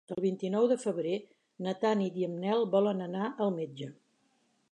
El vint-i-nou de febrer na Tanit i en Nel volen anar al metge.